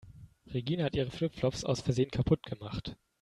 Regina hat ihre Flip-Flops aus Versehen kaputt gemacht.